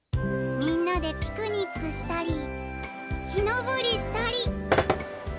みんなでピクニックしたり木登りしたり。